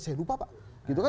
itu apa pak